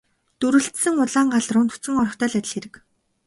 Дүрэлзсэн улаан гал руу нүцгэн орохтой л адил хэрэг.